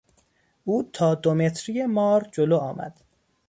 او تا دو متری مار جلو آمد.